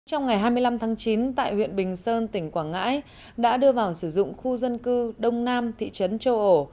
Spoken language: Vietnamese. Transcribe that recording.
trong ngày hai mươi năm tháng chín tại huyện bình sơn tỉnh quảng ngãi đã đưa vào sử dụng khu dân cư đông nam thị trấn châu ổ